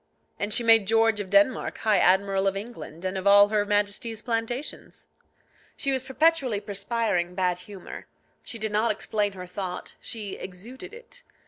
And she made George of Denmark High Admiral of England and of all her Majesty's plantations. She was perpetually perspiring bad humour; she did not explain her thought, she exuded it.